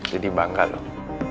dedi bangga loh